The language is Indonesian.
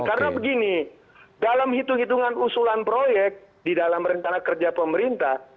karena begini dalam hitung hitungan usulan proyek di dalam rentana kerja pemerintah